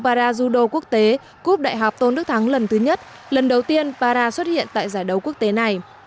parajudo quốc tế cúp đại học tôn đức thắng lần thứ nhất lần đầu tiên para xuất hiện tại giải đấu quốc tế này